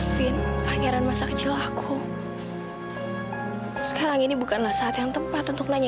sampai jumpa di video selanjutnya